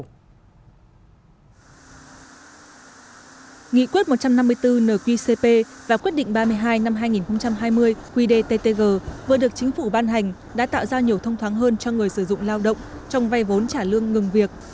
nghị quyết một trăm năm mươi bốn nqcp và quyết định ba mươi hai năm hai nghìn hai mươi qdttg vừa được chính phủ ban hành đã tạo ra nhiều thông thoáng hơn cho người sử dụng lao động trong vay vốn trả lương ngừng việc